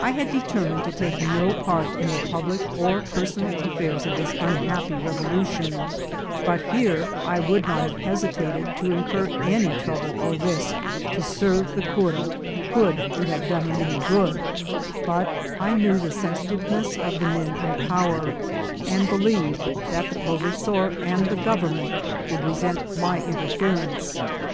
I had determin ed to take no part in the public or personal affairs of this unhappy revolution, but here I would not have hesitated to incur any trouble or risk to serve the cura could it have done him 'any good ; but I knew the sensitive ness of the men in power, and believed that the prove sor and the government would resent my interference.